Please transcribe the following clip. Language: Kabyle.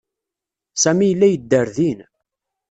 Sami yella yedder din.